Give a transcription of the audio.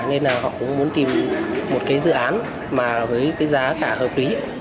nên họ cũng muốn tìm một dự án với giá cả hợp lý